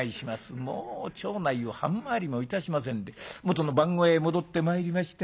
もう町内を半回りもいたしませんでもとの番小屋へ戻ってまいりました。